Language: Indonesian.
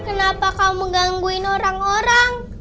kenapa kamu menggangguin orang orang